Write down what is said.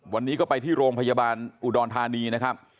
วันนี้ก็ไปที่โรงพยาบาลอุดรธานีนะครับ